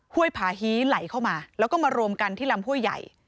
ผาฮีไหลเข้ามาแล้วก็มารวมกันที่ลำห้วยใหญ่